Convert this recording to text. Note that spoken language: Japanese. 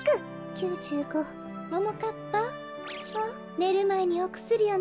ねるまえにおくすりをのみなさいね。